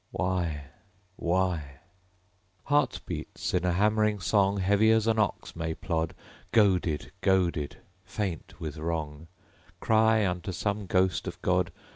... Why?... Why? Heart beats, in a hammering song, Heavy as an ox may plod, Goaded goaded faint with wrong, Cry unto some ghost of God